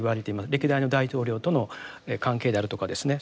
歴代の大統領との関係であるとかですね。